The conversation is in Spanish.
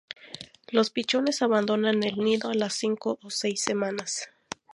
Los pichones abandonan el nido a las cinco o seis semanas.